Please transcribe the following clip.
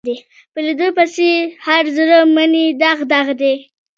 په لیدو پسې هر زړه منې داغ داغ دی